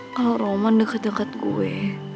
kalau roman deket deket gue